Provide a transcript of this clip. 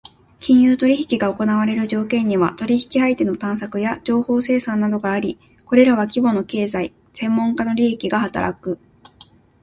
金融取引が行われる条件には、取引相手の探索や情報生産などがあり、これらは規模の経済・専門家の利益が働く。